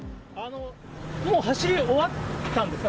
もう走り終わったんですか？